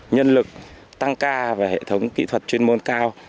nhân lực tăng ca về hệ thống kỹ thuật chuyên môn cao